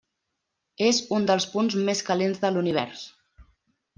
És un dels punts més calents de l'univers.